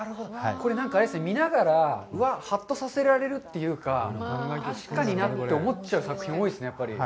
これ、見ながら、はっとさせられるというか、確かになって思っちゃう作品が多いですね。